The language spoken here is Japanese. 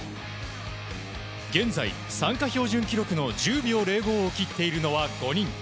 現在、参加標準記録の１０秒０５を切っているのは５人。